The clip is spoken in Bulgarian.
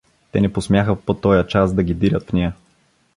Те не посмяха по тоя час да ги дирят в нея.